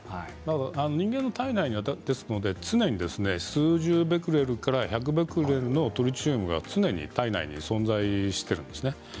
人間の体内ですので常に数十ベクレルから１００ベクレルのトリチウムが常に体内に存在しているんですね。